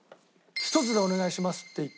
「１つでお願いします」って言って。